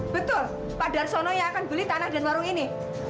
betul pak darsono yang akan beli tanah dan warung ini